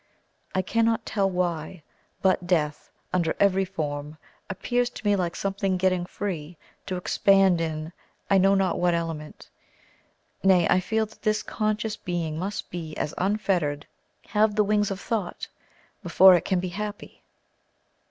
I cannot tell why, but death, under every form, appears to me like something getting free to expand in I know not what element nay, I feel that this conscious being must be as unfettered, have the wings of thought, before it can be happy.